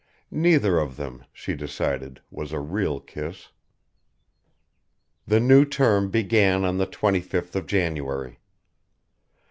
Neither of them, she decided, was a real kiss. The new term began on the twenty fifth of January.